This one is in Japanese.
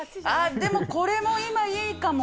でもこれも今いいかも。